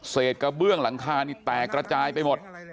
กระเบื้องหลังคานี่แตกระจายไปหมด